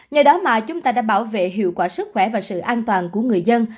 nhờ đó mà chúng ta đã bảo vệ hiệu quả sức khỏe và sự an toàn của người dân